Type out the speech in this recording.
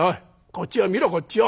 こっちを見ろこっちを！